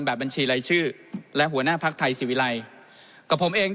แบบบัญชีลายชื่อและหัวหน้าพลักทัยสิวิไละกับผมเอง